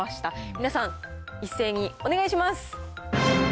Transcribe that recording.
皆さん、一斉にお願いします。